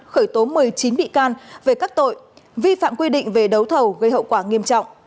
khởi tố một mươi chín bị can về các tội vi phạm quy định về đấu thầu gây hậu quả nghiêm trọng